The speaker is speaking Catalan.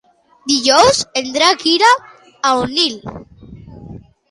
Dijous en Drac irà a Onil.